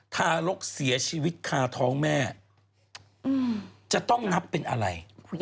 ทารกเสียชีวิตคาท้องแม่จะต้องนับเป็นอะไร